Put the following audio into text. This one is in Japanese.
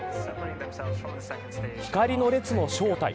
光の列の正体